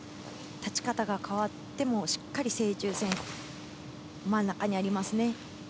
立ち方が変わっても、しっかり正中線、真ん中にありますね。